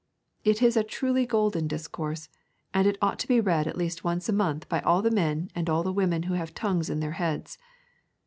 It is a truly golden discourse, and it ought to be read at least once a month by all the men and all the women who have tongues in their heads.